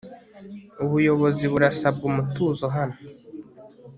ubuyobozi burasabwa umutuzo hano